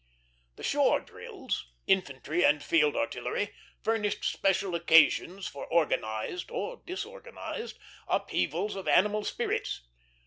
The shore drills infantry and field artillery furnished special occasions for organized or disorganized upheavals of animal spirits.